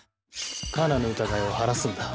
カナの疑いを晴らすんだ。